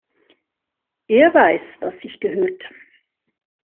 Er weiß, was sich gehört.